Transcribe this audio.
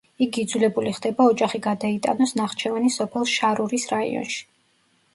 იგი იძულებული ხდება ოჯახი გადაიტანოს ნახჩევანის სოფელ შარურის რაიონში.